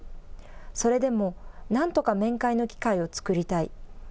それでもなんとか面会の機会を作りたい。